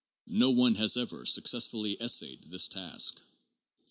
No one has ever successfully essayed this task.